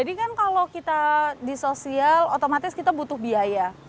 jadi kan kalau kita di sosial otomatis kita butuh biaya